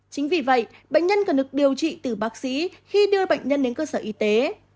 chính vì vậy bệnh nhân cần được điều trị từ bác sĩ khi đưa bệnh nhân đến cơ sở y tế